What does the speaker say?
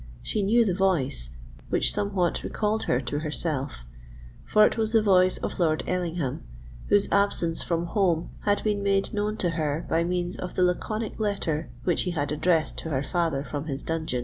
She knew the voice, which somewhat recalled her to herself; for it was the voice of Lord Ellingham, whose absence from home had been made known to her by means of the laconic letter which he had addressed to her father from his dungeon.